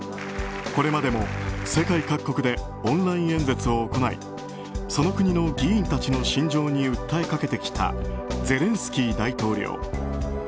これまでも世界各国でオンライン演説を行いその国の議員たちの心情に訴えかけてきたゼレンスキー大統領。